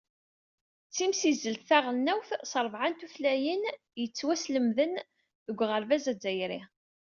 D timsizzelt taɣelnawt s rebɛa n tutlayin yettwaslemden deg uɣerbaz azzayri.